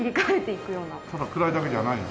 ただ暗いだけじゃないの？